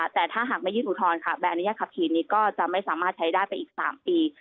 แต่ถ้าหากไม่ยื่นอุทธรณ์ค่ะใบอนุญาตขับขี่นี้ก็จะไม่สามารถใช้ได้ไปอีก๓ปี